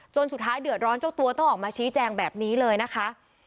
สุดท้ายเดือดร้อนเจ้าตัวต้องออกมาชี้แจงแบบนี้เลยนะคะ